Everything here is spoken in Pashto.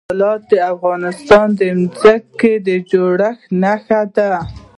دځنګل حاصلات د افغانستان د ځمکې د جوړښت نښه ده.